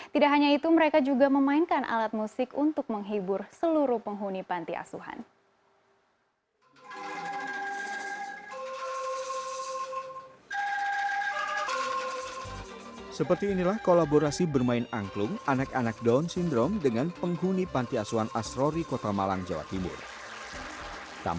tidak hanya itu mereka juga memainkan alat musik untuk menghibur seluruh penghuni pantiasuhan